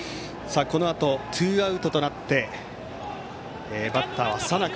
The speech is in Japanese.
このあと、ツーアウトとなってバッターは佐仲。